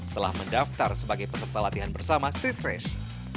telah mendaftar sebagai peserta latihan bersama street race